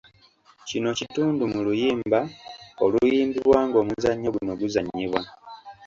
Kino kitundu mu luyimba oluyimbibwa ng'omuzannyo guno guzannyibwa.